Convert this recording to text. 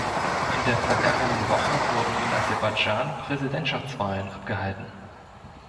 In der vergangenen Woche wurden in Aserbaidschan Präsidentschaftswahlen abgehalten.